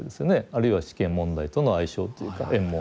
あるいは試験問題との相性というか縁もありますし。